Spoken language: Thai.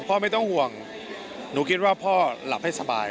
ไม่ต้องห่วงหนูคิดว่าพ่อหลับให้สบาย